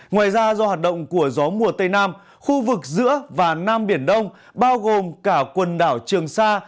ngoài ra do hoạt động của gió mùa tây nam khu vực giữa và nam biển đông bao gồm cả quần đảo trường sa